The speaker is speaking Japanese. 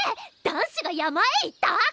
男子が山へ行った？